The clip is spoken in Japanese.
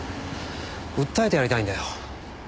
訴えてやりたいんだよ。